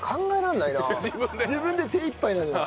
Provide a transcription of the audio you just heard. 自分で手いっぱいなの。